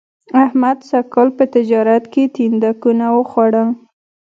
احمد سږ کال په تجارت کې تیندکونه و خوړل